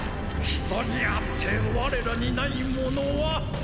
人にあって我らにないものは情け！